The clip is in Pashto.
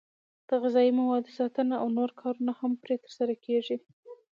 د غذایي موادو ساتنه او نور کارونه هم پرې ترسره کېږي.